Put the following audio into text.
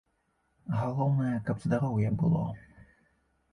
Галоўнае, каб здароўе было.